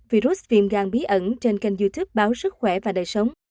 virus viêm gan bí ẩn trên kênh youtube báo sức khỏe và đời sống